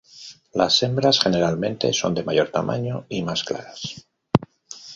Las hembras generalmente son de mayor tamaño y más claras.